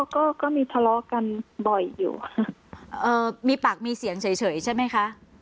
ก็ก็มีทะเลาะกันบ่อยอยู่มีปากมีเสียงเฉยใช่ไหมคะ